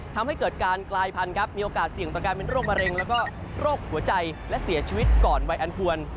ทำให้เกิดการกลายพันธุ์ครับมีโอกาสเสี่ยงต่อการเป็นโรคมะเร็งแล้วก็โรคหัวใจและเสียชีวิตก่อนวัยอันควร